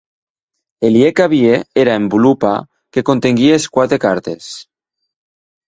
E li hec a vier era envolòpa que contenguie es quate cartes.